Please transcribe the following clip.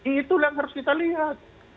itu yang harus kita lihat